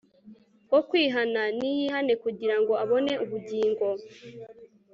Wokwihana niyihane kugira ngo abone ubugingo